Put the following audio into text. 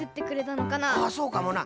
あそうかもな。